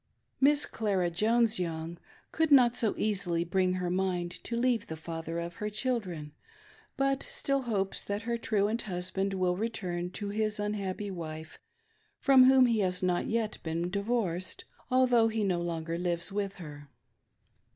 Mrs. Clara Jones JToung could not so easily bring her mind to leave the father of her children, but still hopes that her truant husband will return to his unhappy wife, from whom he has not yet been divorced, although he no longer lives with her.